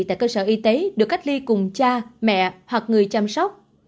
tại cơ sở y tế được cách ly cùng cha mẹ hoặc người chăm sóc